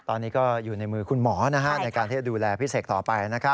ตอนนี้ก็อยู่ในมือคุณหมอในการที่จะดูแลพี่เสกต่อไป